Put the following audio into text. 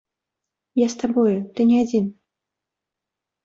Я з табою, ты не адзін.